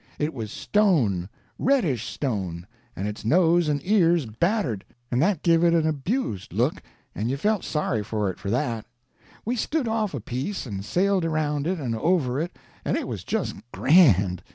It was stone, reddish stone, and its nose and ears battered, and that give it an abused look, and you felt sorrier for it for that. We stood off a piece, and sailed around it and over it, and it was just grand.